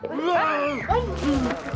ini kurang ajar